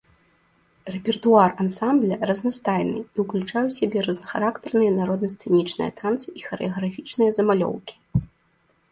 Рэпертуар ансамбля разнастайны, і ўключае ў сябе рознахарактарныя народна-сцэнічныя танцы і харэаграфічныя замалёўкі.